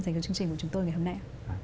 dành cho chương trình của chúng tôi ngày hôm nay